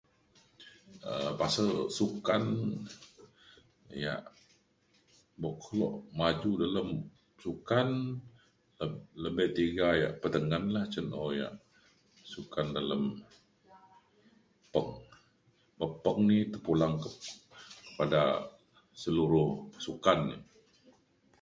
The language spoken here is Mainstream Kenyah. um pasen sukan ia’ buk kelo maju dalem sukan le- lebih tiga ia’ peteneng lah cen o ia’ sukan dalem peng. Peng peng ni terpulang kepada seluruh sukan.